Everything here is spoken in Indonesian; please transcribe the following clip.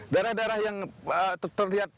daerah daerah yang terlihat